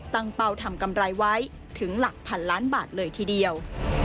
เป้าทำกำไรไว้ถึงหลักพันล้านบาทเลยทีเดียว